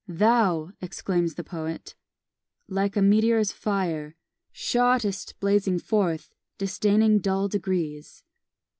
"Thou," exclaims the poet, Like a meteor's fire, Shot'st blazing forth, disdaining dull degrees.